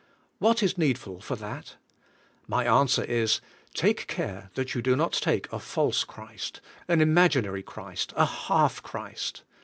V/hat is needful for that? My answer is: "Take care that you do not take a false Christ, an imaginary Christ, a half Christ."